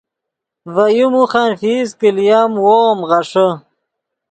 ڤے یو موخن فیس کہ لییم وو ام غیݰے